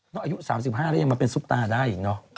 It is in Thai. อายุ๓๕แล้วยังมาเป็นซุปตาได้อีกเนอะ